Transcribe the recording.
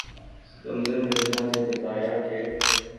اسکندر مرزا نے بتایا کہ